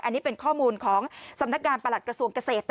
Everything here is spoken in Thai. อันนี้เป็นข้อมูลของสำนักงานประหลัดกระทรวงเกษตร